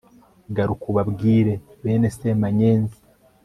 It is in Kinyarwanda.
garuka ubabwire bene semanyenzi